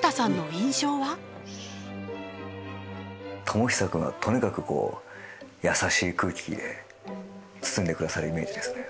智久君はとにかく優しい空気で包んでくださるイメージですね。